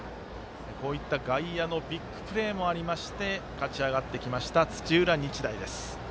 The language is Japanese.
こういった外野のビッグプレーもありまして勝ち上がってきました、土浦日大。